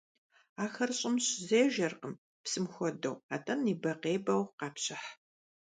Ахэр щӀым щызежэркъым, псым хуэдэу, атӀэ небэкъебэу къапщыхь.